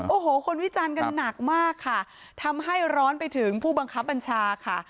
โอ้โหคนวิจารณ์กันหนักมากค่ะทำให้ร้อนไปถึงผู้บังคับบัญชาค่ะ